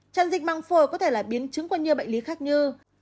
chân dịch măng phổi có thể là biến chứng của nhiều bệnh lý khác như